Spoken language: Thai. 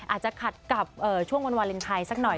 อาจจะขัดกับช่วงวันวาเลนไทยสักหน่อย